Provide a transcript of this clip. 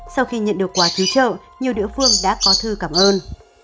sau khi nhận được quà cứu trợ nhiều địa phương đã có thư cảm ơn